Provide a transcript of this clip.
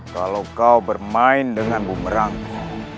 kalau kau bermain dengan bumerangku